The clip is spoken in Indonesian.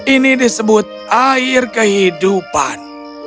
ini disebut air kehidupan